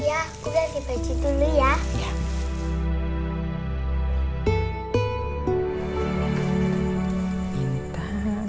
ya aku ganti baju dulu ya